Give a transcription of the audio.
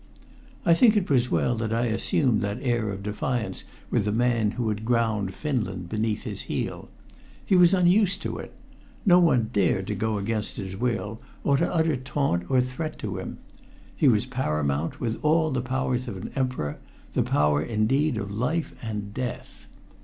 I think it was well that I assumed that air of defiance with the man who had ground Finland beneath his heel. He was unused to it. No one dared to go against his will, or to utter taunt or threat to him. He was paramount, with all the powers of an emperor the power, indeed, of life and death.